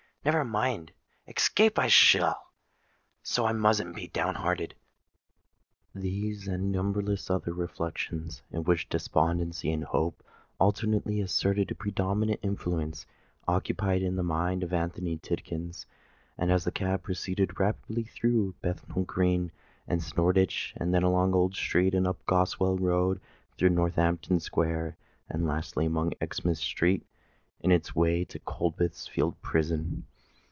Never mind—escape I will;—so I mustn't be down hearted!" These and numberless other reflections, in which despondency and hope alternately asserted a predominant influence, occupied the mind of Anthony Tidkins as the cab proceeded rapidly through Bethnal Green and Shoreditch,—then along Old Street—up the Goswell Road—through Northampton Square—and lastly along Exmouth Street, in its way to Coldbath Fields' Prison.